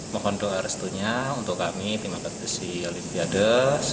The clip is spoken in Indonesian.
terima kasih untuk tim tempoh blessi olimpiade